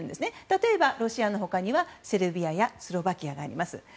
例えばロシアの他にはセルビアやスロバキアがあります。